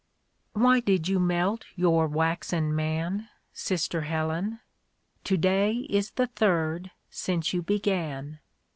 Why did you melt your waxen man, Sister Helen ? To day is the third since you began."